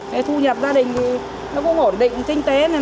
thì thu nhập gia đình thì nó cũng ổn định tinh tế nó cũng đi lên